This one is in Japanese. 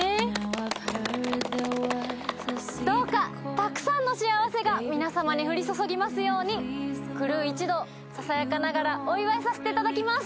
どうかたくさんの幸せが皆さまに降り注ぎますようにクルー一同ささやかながらお祝いさせていただきます。